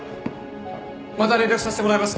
また連絡させてもらいます。